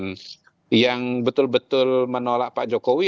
dan yang betul betul menolak pak jokowi